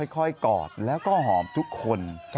กอดแล้วก็หอมทุกคน